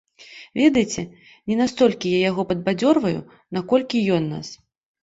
Ведаеце, не настолькі я яго падбадзёрваю, наколькі ён нас.